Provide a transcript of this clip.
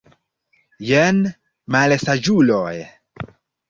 Jen, malsaĝuloj!